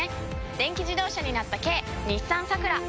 電気自動車になった軽日産サクラ！